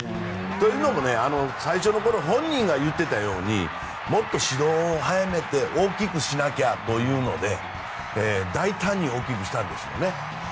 というのも最初の頃本人が言っていたようにもっと始動を早めて大きくしなければというので大胆に大きくしたんでしょうね。